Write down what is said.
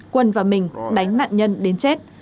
quân và mình đánh nạn nhân đến chết